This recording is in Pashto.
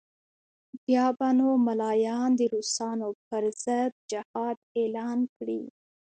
بیا به نو ملایان د روسانو پر ضد جهاد اعلان کړي.